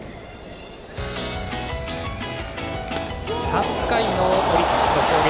３回のオリックスの攻撃。